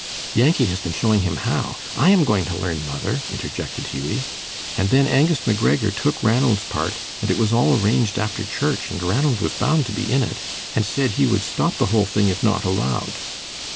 Yankee has been showing him how. I am going to learn, mother," interjected Hughie. "And then Angus McGregor took Ranald's part, and it was all arranged after church, and Ranald was bound to be in it, and said he would stop the whole thing if not allowed.